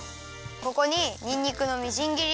ここににんにくのみじん切り。